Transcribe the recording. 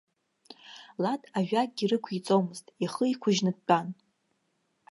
Лад ажәакгьы рықәиҵомызт, ихы иқәыжьны дтәан.